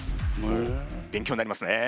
勉強になりますね。